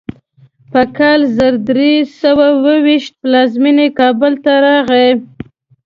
په کال زر درې سوه اوو ویشت پلازمینې کابل ته راغی.